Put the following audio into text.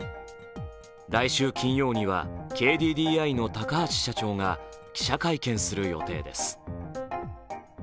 来週金曜にはＫＤＤＩの高橋社長が記者会見する予定です。